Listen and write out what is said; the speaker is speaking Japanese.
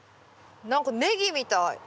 何かネギみたい。